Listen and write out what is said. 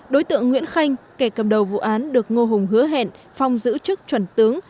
đối tượng nguyễn khanh kẻ cầm đầu vụ án được ngô hùng hứa hẹn phong giữ chức chuẩn tướng